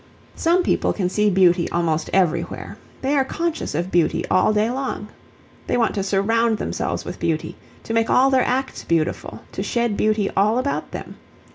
Some people can see beauty almost everywhere; they are conscious of beauty all day long. They want to surround themselves with beauty, to make all their acts beautiful, to shed beauty all about them.